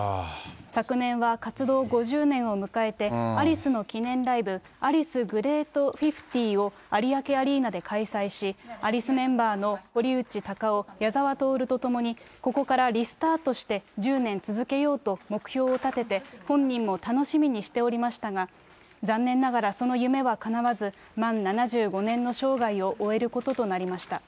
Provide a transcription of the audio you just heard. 昨年は活動５０年を迎えて、アリスの記念ライブ、アリスグレート５０を有明アリーナで開催し、アリスメンバーの堀内孝雄、矢沢透と共に、ここからリスタートして、１０年続けようと目標を立てて、本人も楽しみにしておりましたが、残念ながらその夢はかなわず、満７５年の生涯を終えることとなりました。